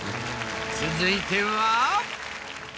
続いては。